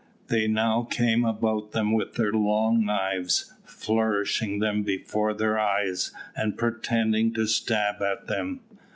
They now came about them with their long knives, flourishing them before their eyes, and pretending to stab at them.